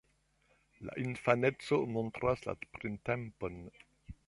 La infaneco montras la printempon.